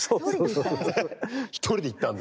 １人で行ったの？